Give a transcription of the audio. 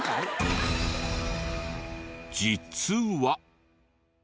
実は。